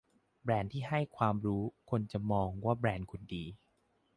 แบรนด์ที่ให้ความรู้คนจะมองว่าแบรนด์คุณดี